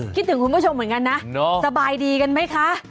คิดถึงคุณผู้ชมเหมือนกันนะสบายดีกันไหมคะ